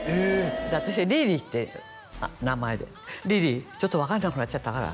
私がリリーって名前で「リリーちょっと分かんなくなっちゃったから」